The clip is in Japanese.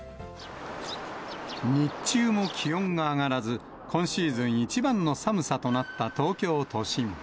日中も気温が上がらず、今シーズン一番の寒さとなった東京都心。